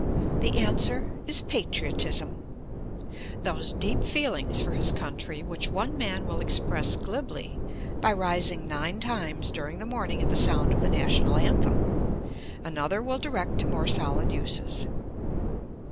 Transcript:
The answer is "Patriotism." Those deep feelings for his country which one man will express glibly by rising nine times during the morning at the sound of the National Anthem, another will direct to more solid uses.